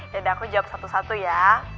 tidak aku jawab satu satu ya